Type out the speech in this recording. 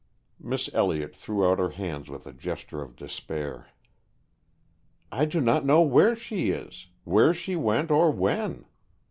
Miss Elliott threw out her hands with a gesture of despair. "I do not know where she is, where she went or when.